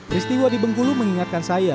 peristiwa di bengkulu mengingatkan